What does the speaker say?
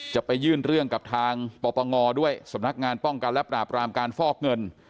จะไปยื่นเรื่องกับทางปปงด้วยสำนักงานป้องกันและปราบรามการฟอกเงิน